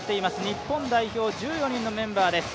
日本代表１４人のメンバーです。